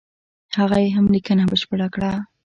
هغه یې هم لیکنه بشپړه کړه.